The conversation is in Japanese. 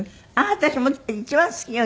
私も一番好きよ